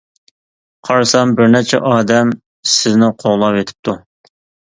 قارىسام بىر نەچچە ئادەم سىزنى قوغلاۋېتىپتۇ.